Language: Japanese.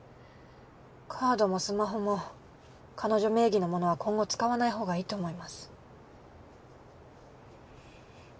カードもスマホも彼女名義のものは今後使わないほうがいいと思います。